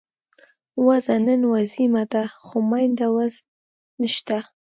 وزه نن وزيمه ده، خو مينده وز نشته